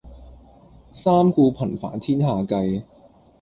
三顧頻煩天下計